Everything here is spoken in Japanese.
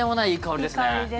いい香りですね。